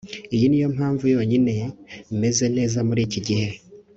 iyo ni yo mpamvu yonyine meze neza muri iki gihe